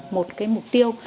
một cái mục tiêu